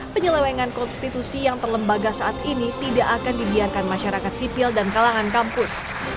penyelewengan konstitusi yang terlembaga saat ini tidak akan dibiarkan masyarakat sipil dan kalahan kampus